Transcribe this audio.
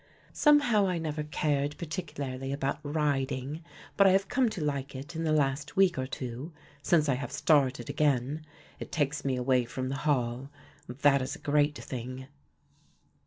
Somehow I never cared particularly about riding, but I have come to like it in the last week or two, since I have started again. It takes me away from the Hall and that is a great thing."